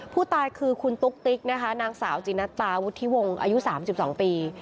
ผู้ตายคือคุณตุ๊กติ๊กนะคะนางสาวจินัตาวุฒิวงศ์อายุ๓๒ปี